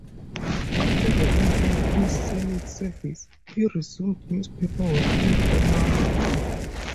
After the end of his Senate service, he resumed newspaper work in Omaha.